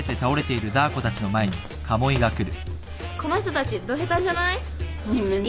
この人たちド下手じゃない？